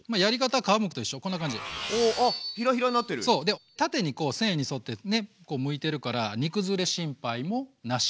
で縦にこう繊維に沿ってねこうむいてるから煮くずれ心配もなし。